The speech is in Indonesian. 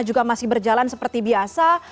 juga masih berjalan seperti biasa